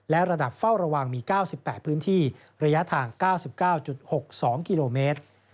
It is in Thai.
และระดับเฝ้าระวังมี๙๘พื้นที่ระยะทาง๙๙๖๒กิโลเมตร